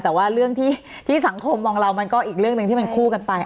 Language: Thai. แต่ว่าเรื่องที่สังคมมองเรามันก็อีกเรื่องหนึ่งที่มันคู่กันไป